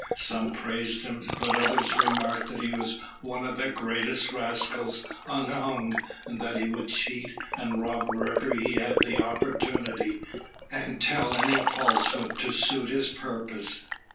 Some praised him, but others remarked that he was one of the greatest rascals unhung, and that he would cheat and rob whenever he had the opportunity, and tell any falsehood to suit his purpose.